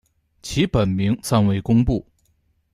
其本名暂未公布。